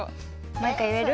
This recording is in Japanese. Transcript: マイカいえる？